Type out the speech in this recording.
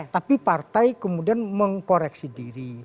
tapi partai kemudian mengkoreksi diri